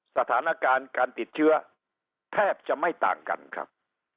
สถานการณ์การติดเชื้อแทบจะไม่ต่างกันครับ